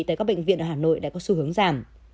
tại các bệnh viện ở hà nội đã có xu hướng giảm